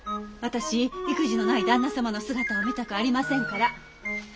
私意気地のない旦那様の姿は見たくありませんから。